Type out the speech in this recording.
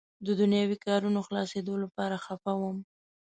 د دنیاوي کارونو خلاصېدو لپاره خفه وم.